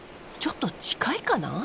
ちょっと近いかな。